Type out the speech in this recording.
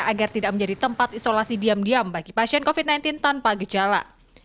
agar tidak menjadi tempat isolasi diam diam bagi pasien covid sembilan belas tanpa gejala